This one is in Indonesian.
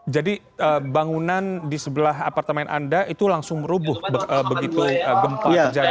jadi bangunan di sebelah apartemen anda itu langsung rubuh begitu gempa terjadi